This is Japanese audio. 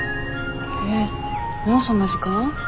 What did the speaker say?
えっもうそんな時間？